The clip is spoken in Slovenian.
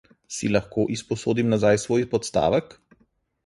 Si lahko izposodim nazaj svoj podstavek?